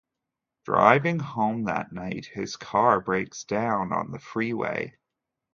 Driving home that night, his car breaks down on the freeway.